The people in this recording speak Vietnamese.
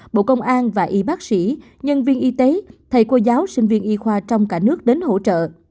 bộ công an và y bác sĩ nhân viên y tế thầy cô giáo sinh viên y khoa trong cả nước đến hỗ trợ